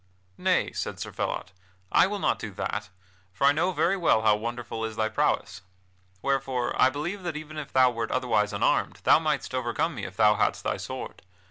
"Nay," said Sir Phelot, "I will not do that, for I know very well how wonderful is thy prowess. Wherefore I believe that even if thou wert otherwise unarmed thou mightst overcome me if thou hadst thy sword.